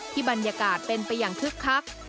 บรรยากาศเป็นไปอย่างคึกคัก